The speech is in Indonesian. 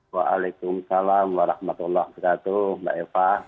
waalaikumsalam warahmatullahi wabarakatuh mbak eva